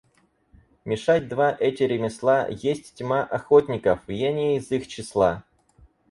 Мешать два эти ремесла есть тьма охотников, я не из их числа.